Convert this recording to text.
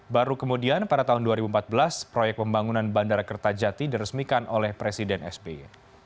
baru kemudian pada tahun dua ribu empat belas proyek pembangunan bandara kertajati diresmikan oleh presiden sby